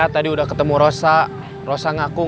biar gak ada pr tetap harus belajar